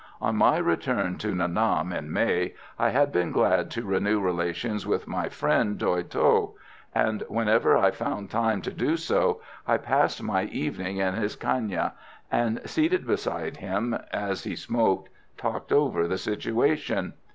On my return to Nha Nam in May, I had been glad to renew relations with my friend Doy Tho; and whenever I found time to do so, I passed my evenings in his caigna, and, seated beside him as he smoked, talked over the situation.